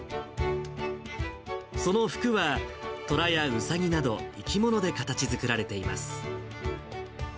その福は、トラやウサギなど生き物で形作られています。